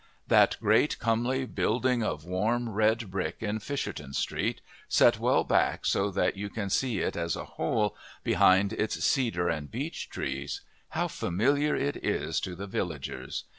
That great, comely building of warm, red brick in Fisherton Street, set well back so that you can see it as a whole, behind its cedar and beech trees how familiar it is to the villagers!